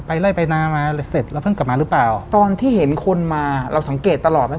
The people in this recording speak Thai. ไล่ไปนามาเสร็จแล้วเพิ่งกลับมาหรือเปล่าตอนที่เห็นคนมาเราสังเกตตลอดไหม